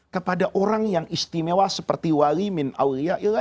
kepada orang yang istimewa seperti wali min aulia